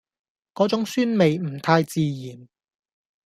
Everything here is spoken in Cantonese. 嗰種酸味唔太自然